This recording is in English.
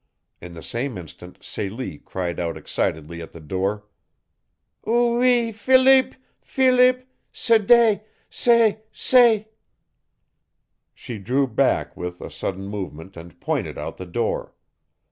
In the same instant Celie cried out excitedly at the door. "Oo ee, Philip Philip! Se det! Se! Se!" She drew back with, a sudden movement and pointed out the door.